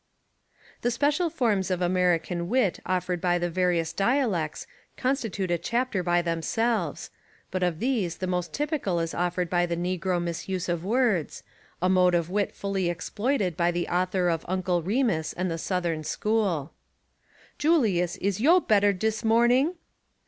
The special forms of American wit offered by the various dialects constitute a chapter by themselves, but of these the most typical is offered by the negro misuse of words, a mode of wit fully exploited by the author of Uncle Remus and the Southern school: "Julius, is yo' better dis morning?"